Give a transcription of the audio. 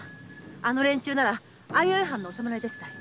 あの連中なら相生藩のお侍ですたい。